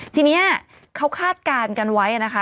ทีนี้เขาคาดการณ์กันไว้นะคะ